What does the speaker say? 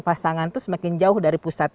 pasangan itu semakin jauh dari pusat